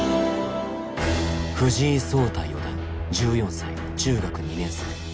藤井聡太四段１４歳中学２年生。